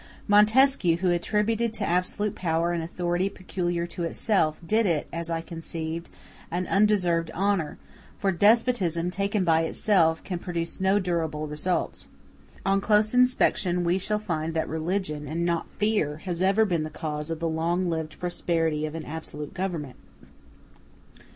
Montesquieu, who attributed to absolute power an authority peculiar to itself, did it, as I conceive, an undeserved honor; for despotism, taken by itself, can produce no durable results. On close inspection we shall find that religion, and not fear, has ever been the cause of the long lived prosperity of an absolute government.